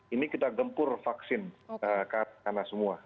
ini kita gempur vaksin karena semua